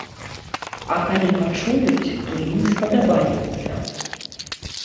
А калі пачуюць, то ім спадабаецца.